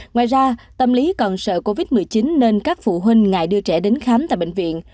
ngoài ra tâm lý còn sợ covid một mươi chín nên các phụ huynh ngại đưa trẻ đến khám tại bệnh viện